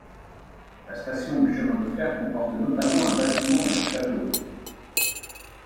La station du chemin de fer comporte notamment un bâtiment et un château d'eau.